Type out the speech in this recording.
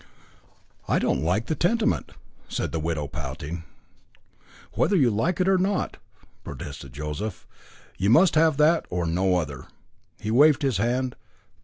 "I don't like the tenement," said the widow, pouting. "Whether you like it or not," protested Joseph, "you must have that or no other." He waved his hand.